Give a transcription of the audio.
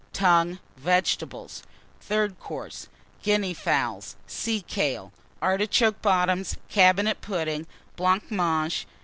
Tongue. Vegetables. THIRD COURSE. Guinea Fowl. Sea kale. Artichoke Bottoms. Cabinet Pudding. Blancmange.